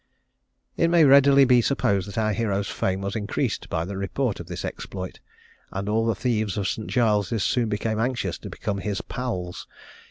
It may readily be supposed that our hero's fame was increased by the report of this exploit, and all the thieves of St. Giles's soon became anxious to become his "palls."